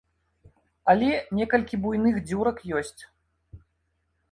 Але некалькі буйных дзюрак ёсць.